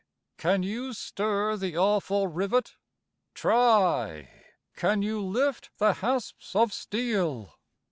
can you stir the awful rivet? Try! can you lift the hasps of steel?